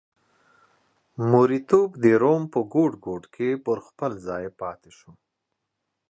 مریتوب د روم په ګوټ ګوټ کې پر خپل ځای پاتې شو